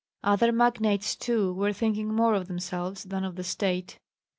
Other magnates too were thinking more of themselves than of the State.